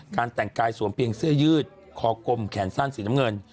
แต่งกายสวมเพียงเสื้อยืดคอกลมแขนสั้นสีน้ำเงิน